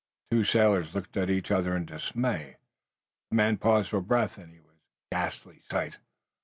The two sailors looked at each other in dismay. The man paused for breath and he was a ghastly sight.